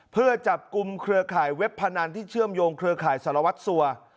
เพื่อจับกลุ่มเครือข่ายเว็บพนันที่เชื่อมโยงเครือข่ายสารวัตรสัว